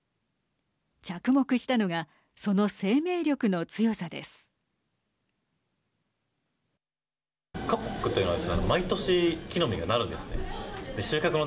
着目したのがその生命力の強さです。